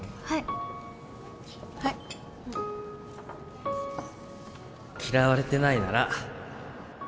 はいうん嫌われてないなら